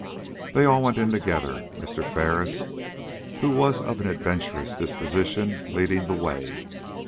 They all went in together, Mr. Ferris, who was of an adventurous disposition, leading the way.